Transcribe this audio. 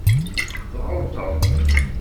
Tɣelṭeḍ.